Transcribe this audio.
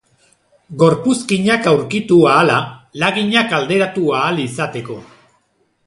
Gorpuzkinak aurkitu ahala, laginak alderatu ahal izateko.